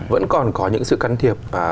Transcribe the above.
vẫn còn có những sự can thiệp